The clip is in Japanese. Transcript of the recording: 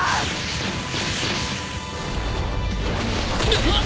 うわっ！